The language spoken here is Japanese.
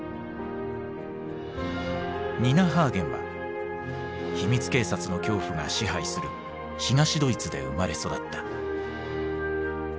ニナ・ハーゲンは秘密警察の恐怖が支配する東ドイツで生まれ育った。